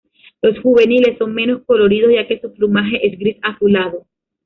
Los juveniles son menos coloridos ya que su plumaje es gris azulado.